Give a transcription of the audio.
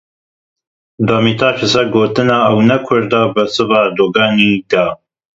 Demirtaş li ser gotina ew ne Kurd e bersiva Erdoganî da.